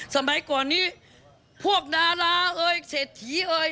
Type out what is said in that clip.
สมัยก่อนนี้พวกดาราเศรษฐี